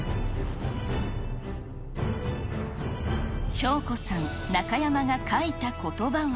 翔子さん、中山が書いたことばは。